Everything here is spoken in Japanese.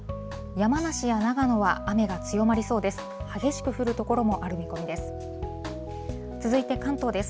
山梨や長野は雨が強まりそうです。